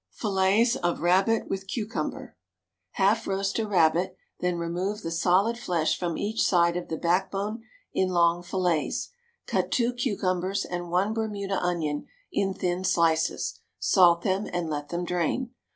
Fillets of Rabbit with Cucumber. Half roast a rabbit, then remove the solid flesh from each side the backbone in long fillets. Cut two cucumbers and one Bermuda onion in thin slices, salt them, and let them drain.